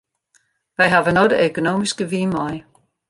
Wy hawwe no de ekonomyske wyn mei.